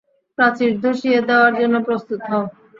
প্রাচীর ধসিয়ে দেওয়ার জন্য প্রস্তুত হও।